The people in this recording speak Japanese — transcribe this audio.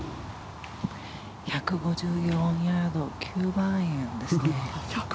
１５４ヤード９番アイアンですね。